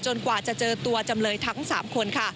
กว่าจะเจอตัวจำเลยทั้ง๓คนค่ะ